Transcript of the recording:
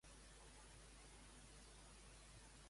Fins quan van ser els ideals fixistes rellevants a Europa?